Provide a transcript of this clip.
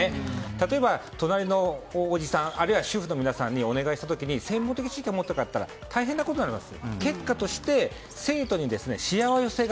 例えば、隣のおじさんあるいは主婦の皆さんにお願いした時に専門的知識のない方じゃないと大変なことになります。